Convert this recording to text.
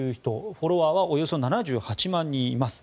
フォロワーはおよそ７８万人います。